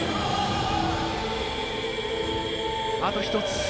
あと一つ。